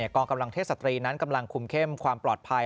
กองกำลังเทศตรีนั้นกำลังคุมเข้มความปลอดภัย